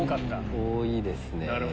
多いですね。